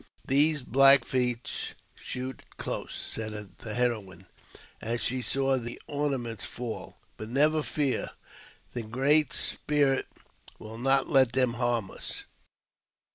" These Black Feet shoot close," said the heroine, as she saw the ornaments fall ;" but never fear ; the Great Spirit will not let them harm us."